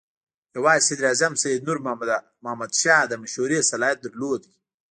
یوازې صدراعظم سید نور محمد شاه د مشورې صلاحیت درلود.